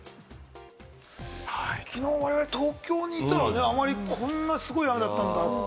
きのう我々、東京にいたらね、あまり、こんなすごい雨だったんだって。